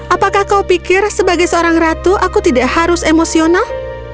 apakah kau pikir sebagai seorang ratu aku tidak harus emosional